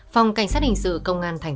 phòng cảnh sát hình sự công an tp hà nội